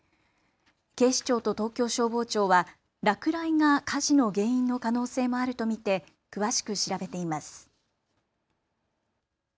警視庁と東京消防庁は落雷が火事の原因の可能性もあると見て詳しく調べています。